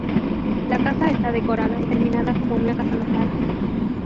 La casa está decorada y terminada como una casa normal.